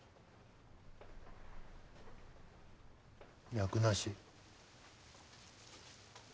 「脈なし」。